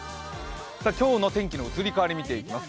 今日の天気の移り変わりを見ていきます。